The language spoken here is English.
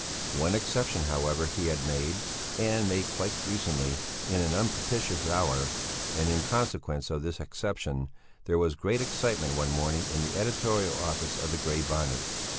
One exception, however, he had made, and made quite recently, in an unpropitious hour; and in consequence of this exception there was great excitement one morning in the editorial office of the Grey Bonnet.